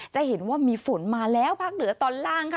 จะเห็นว่ามีฝนมาแล้วภาคเหนือตอนล่างค่ะ